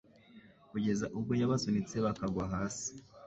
kugeza ubwo yabasunitse bakagwa hasi